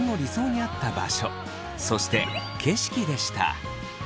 そして景色でした。